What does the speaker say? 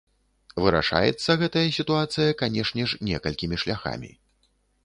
Вырашаецца гэтая сітуацыя, канешне ж, некалькімі шляхамі.